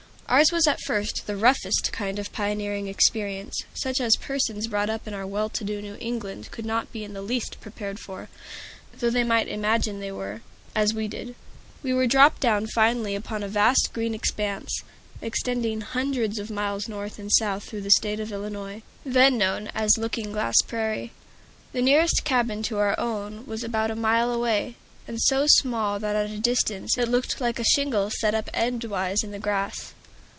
Ours was at first the roughest kind of pioneering experience; such as persons brought up in our well to do New England could not be in the least prepared for, though they might imagine they were, as we did. We were dropped down finally upon a vast green expense, extending hundreds of miles north and south through the State of Illinois, then known as Looking Glass Prairie. The nearest cabin to our own was about a mile away, and so small that at that distance it looked like a shingle set up endwise in the grass.